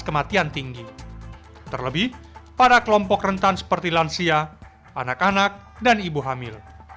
kematian tinggi terlebih pada kelompok rentan seperti lansia anak anak dan ibu hamil